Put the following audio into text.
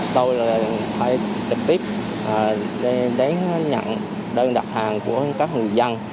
tôi là phải trực tiếp đến nhận đơn đặt hàng của các người dân